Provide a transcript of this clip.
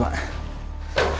bagi kita bisa berjaga jaga